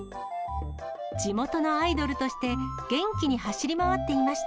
地元のアイドルとして、元気に走り回っていました。